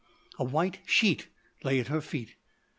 A white sheet lay at her feet.